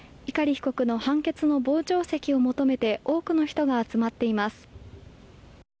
碇被告の判決の傍聴席を求めて多くの人が集まっています。